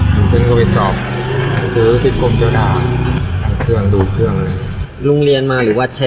อยู่เทคโนโลยีสอบซื้อทิศโครมเจ้าหน้าดูเครื่องเลยลุงเรียนมาหรือว่าใช้